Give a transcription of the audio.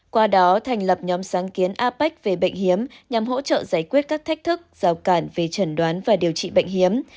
qua đó thành lập nhóm sáng kiến apec về bệnh hiếm nhằm hỗ trợ giải quyết các thách thức rào cản về trần đoán và điều trị bệnh hiếm